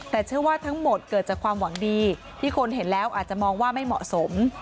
แต่เชื่อว่าทั้งหมดเกิดจากความหวังดีที่คนเห็นแล้วอาจจะมองว่าไม่เหมาะสม